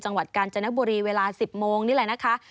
จังหวัดกาญจนบุรีเวลา๑๐โมงนี่แหละนะคะ